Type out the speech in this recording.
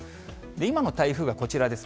今の台風がこちらです。